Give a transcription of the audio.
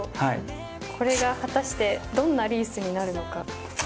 これが果たしてどんなリースになるのか。